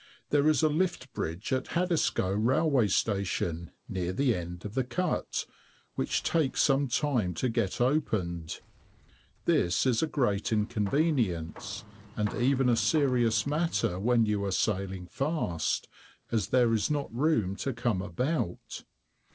There is a lift bridge at Haddiscoe railway station, near the end of the cut, which takes some time to get opened; this is a great inconvenience, and even a serious matter when you are sailing fast, as there is not room to come about.